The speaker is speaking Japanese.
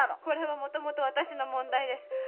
これはもともと私の問題です。